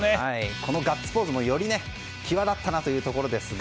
このガッツポーズもより際立ったなというところですが